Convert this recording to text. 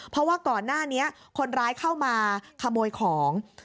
เพราะว่าก่อนหน้านี้คนร้ายเข้ามาขโมยของ